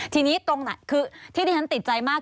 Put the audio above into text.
ทีนี้ตรงไหนคือที่ที่ฉันติดใจมาก